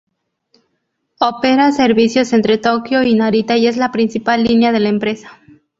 Opera servicios entre Tokio y Narita, y es la principal línea de la empresa.